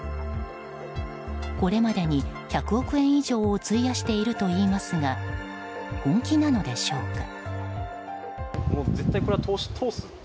これまでに１００億円以上を費やしているといいますが本気なのでしょうか。